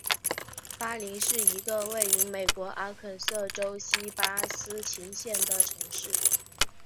巴林是一个位于美国阿肯色州锡巴斯琴县的城市。